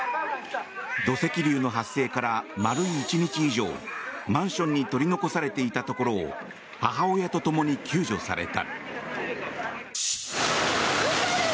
土石流の発生から丸１日以上マンションに取り残されていたところを母親と共に救助された。